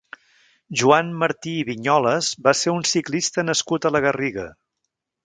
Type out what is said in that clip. Joan Martí i Viñolas va ser un ciclista nascut a la Garriga.